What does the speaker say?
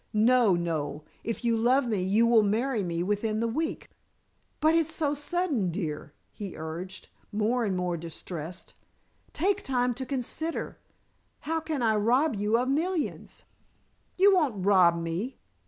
No, Noel, if you love me you will marry me within the week." "But it's so sudden, dear," he urged, more and more distressed. "Take time to consider. How can I rob you of millions?" "You won't rob me.